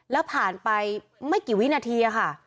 แล้วผ่านไปไม่กี่วินาทีค่ะ